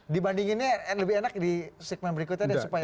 dibandinginnya lebih enak di segmen berikutnya